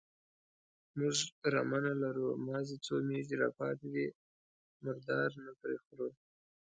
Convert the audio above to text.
_موږ رمه نه لرو، مازې څو مېږې راپاتې دي، مردار نه پرې خورو.